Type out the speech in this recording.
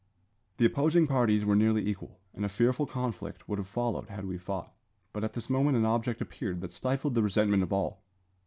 The opposing parties were nearly equal, and a fearful conflict would have followed had we fought; but at this moment an object appeared that stifled the resentment of all.